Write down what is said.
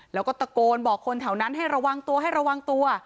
แล้วก็ตะโกนบอกคนแถวนั้นให้ระวังตัวให้ระวังตัว